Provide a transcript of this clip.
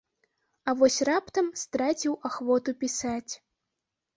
А вось раптам страціў ахвоту пісаць.